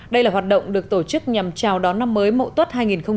đây là hoạt động được tổ chức nhằm chào đón năm mới mậu tuất hai nghìn một mươi tám